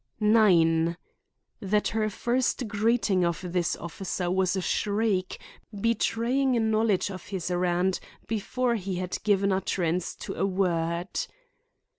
9. That her first greeting of this officer was a shriek, betraying a knowledge of his errand before he had given utterance to a word.